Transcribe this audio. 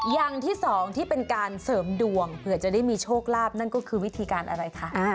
อย่างที่สองที่เป็นการเสริมดวงเผื่อจะได้มีโชคลาภนั่นก็คือวิธีการอะไรคะ